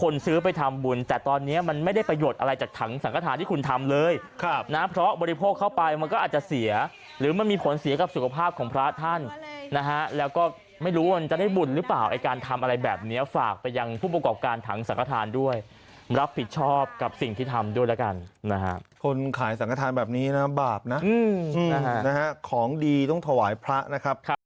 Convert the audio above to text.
นะเพราะบริโภคเข้าไปมันก็อาจจะเสียหรือมันมีผลเสียกับสุขภาพของพระท่านนะฮะแล้วก็ไม่รู้มันจะได้บุญหรือเปล่าไอ้การทำอะไรแบบเนี้ยฝากไปยังผู้ประกอบการทางสังฆาธารด้วยรับผิดชอบกับสิ่งที่ทำด้วยแล้วกันนะฮะคนขายสังฆาธารแบบนี้นะบาปนะอืมนะฮะของดีต้องถวายพระนะครับครับ